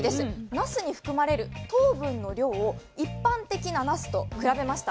なすに含まれる糖分の量を一般的ななすと比べました。